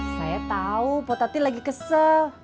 saya tahu potati lagi kesel